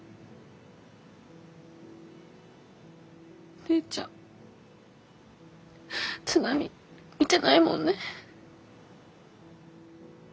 お姉ちゃん津波見てないもんね。